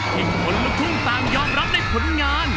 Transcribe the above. ทิ้งคนลงทุ่งตามยอมรับได้ผลงาน